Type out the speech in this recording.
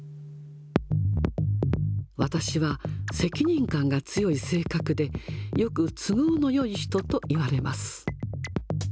私は責任感が強い性格で、よく都合のよい人と言われます。